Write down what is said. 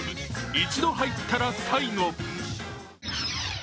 一度入ったら、最後」。